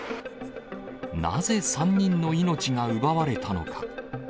なぜ３人の命が奪われたのか。